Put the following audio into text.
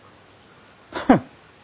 フッ。